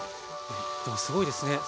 でもすごいですね。